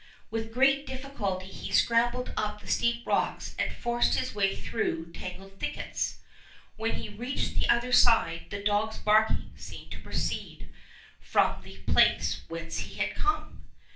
With great difficulty he scrambled up the steep rocks and forced his way through 77 Fairy Tale Bears tangled thickets. When he reached the other side the dog's barking seemed to proceed from the place whence he had come.